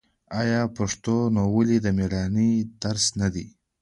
آیا پښتونولي د میړانې درس نه دی؟